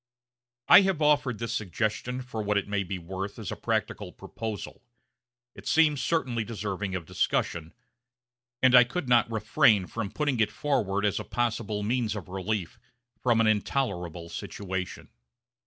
I have offered this suggestion for what it may be worth as a practical proposal; it seems certainly deserving of discussion, and I could not refrain from putting it forward as a possible means of relief from an intolerable situation.